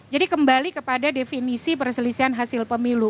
jadi kembali kepada definisi perselisihan hasil pemilu